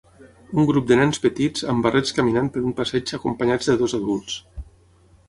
Un grup de nens petits amb barrets caminant per un passeig acompanyats de dos adults.